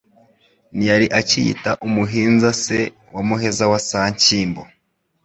Ntiyari acyiyita umuhinza se wa Muheza wa Sanshyimbo